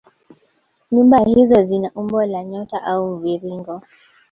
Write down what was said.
Nyumba hizo zina umbo la nyota au mviringo